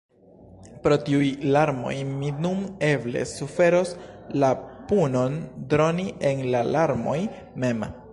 “Pro tiuj larmoj mi nun eble suferos la punon droni en la larmoj mem.